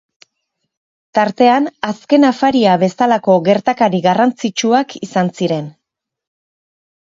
Tartean Azken Afaria bezalako gertakari garrantzitsuak izan ziren.